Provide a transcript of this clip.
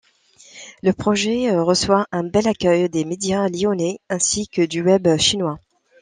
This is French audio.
Le projet reçoit un bel accueil des médias lyonnais ainsi que du web chinois.